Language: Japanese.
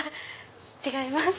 違います。